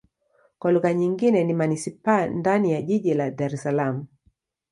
Kwa lugha nyingine ni manisipaa ndani ya jiji la Dar Es Salaam.